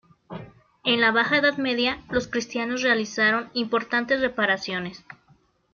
En la Baja Edad Media los cristianos realizaron importantes reparaciones.